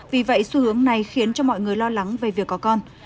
vì vậy xu hướng này khiến cho mọi người lo lắng về việc có con